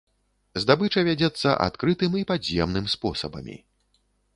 Здабыча вядзецца адкрытым і падземным спосабамі.